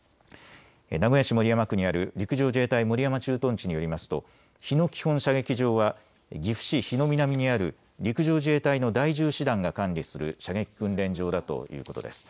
名古屋市守山区にある陸上自衛隊守山駐屯地によりますと日野基本射撃場は岐阜市日野南にある陸上自衛隊の第１０師団が管理する射撃訓練場だということです。